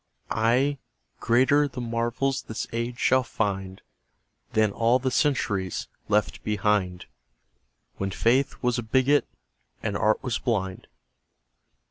Ay, greater the marvels this age shall find Than all the centuries left behind, When faith was a bigot and art was blind.